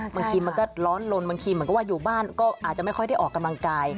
บางทีมันก็ร้อนลนบางทีเหมือนกับว่าอยู่บ้านก็อาจจะไม่ค่อยได้ออกกำลังกาย